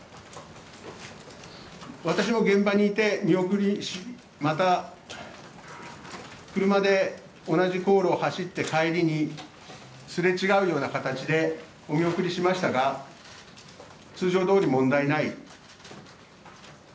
私も現場にいて、見送りまた、車で同じ航路を走って帰りにすれ違うような形でお見送りしましたが通常どおり問題ない。